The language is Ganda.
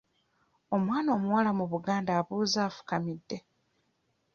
Omwana omuwala mu Buganda abuuza afukamidde.